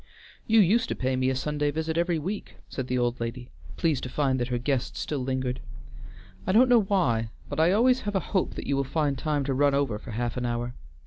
"You used to pay me a Sunday visit every week," said the old lady, pleased to find that her guest still lingered. "I don't know why, but I always have a hope that you will find time to run over for half an hour.